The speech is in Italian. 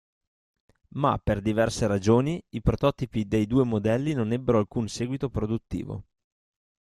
Ma per diverse ragioni, i prototipi dei due modelli non ebbero alcun seguito produttivo.